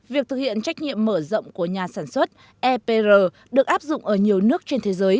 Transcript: việc thực hiện trách nhiệm mở rộng của nhà sản xuất epr được áp dụng ở nhiều nước trên thế giới